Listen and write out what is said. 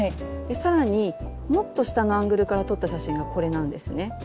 更にもっと下のアングルから撮った写真がこれなんですね。